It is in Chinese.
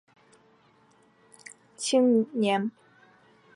济宁路浸信会教堂旧址现为凯越国际青年旅馆。